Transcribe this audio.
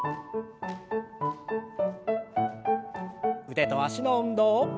腕と脚の運動。